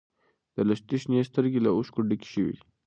د لښتې شنې سترګې له اوښکو ډکې شوې.